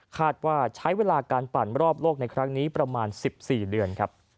คาดว่าใช้เวลาการปั่นรอบโลกในครั้งนี้ประมาณ๑๔เดือนครับ